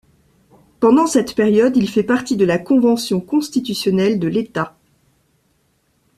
Pendant cette période, il fait partie de la convention constitutionnelle de l’État.